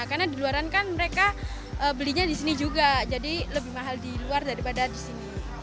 karena di luar kan mereka belinya di sini juga jadi lebih mahal di luar daripada di sini